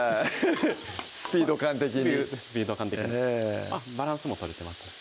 スピード感的にスピード感的にバランスも取れてますね